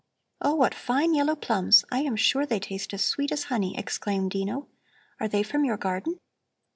"Oh, what fine yellow plums! I am sure they taste as sweet as honey," exclaimed Dino. "Are they from your garden?